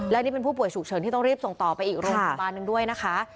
และนี่เป็นผู้ป่วยฉุกเฉินที่ต้องรีบส่งต่อไปอีกโรงพยาบาลหนึ่งด้วยนะคะ